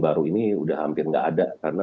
baru ini udah hampir nggak ada karena